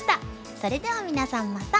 それでは皆さんまた。